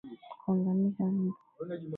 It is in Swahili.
Kuangamiza mbu